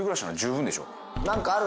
何かある？